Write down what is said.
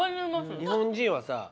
日本人はさ